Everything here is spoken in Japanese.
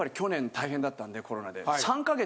大変だったんでコロナで。